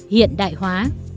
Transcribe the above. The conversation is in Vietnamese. hiện đại hóa